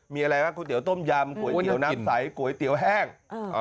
มีอะไรบ้างก๋วยเตี๋ต้มยำก๋วยเตี๋ยวน้ำใสก๋วยเตี๋ยวแห้ง